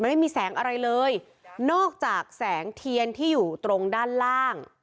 ไม่มีแสงอะไรเลยนอกจากแสงเทียนที่อยู่ตรงด้านล่าง